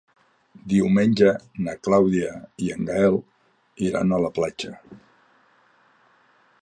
Diumenge na Clàudia i en Gaël iran a la platja.